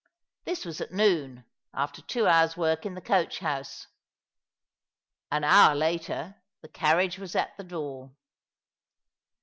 This was at noon, after two hours' work in the coach house. An hour later the carriage was at the door.